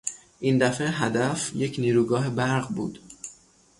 این دفعه هدف یک نیروگاه برق بود.